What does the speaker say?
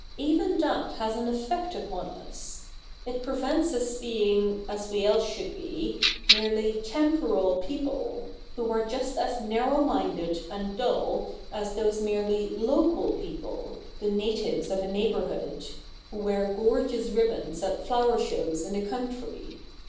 Even that has an effect upon us. It prevents us being, as we else should oe, merely /tv/z/on?/ people, who are just as narrow minded and dull as those merely local people — the natives of a neighbourhood who wear gorgeous ribands at flower shows in the country.